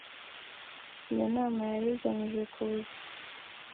Iyo nama yari igamije kuza